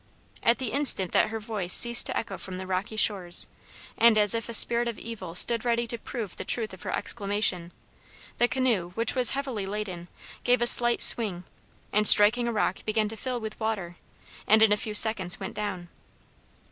At the instant that her voice ceased to echo from the rocky shores, and as if a spirit of evil stood ready to prove the truth of her exclamation, the canoe, which was heavily laden, gave a slight swing, and striking a rock began to fill with water, and, in a few seconds, went down.